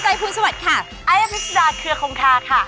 ไอ้พิชดาเครือคมคาค่ะ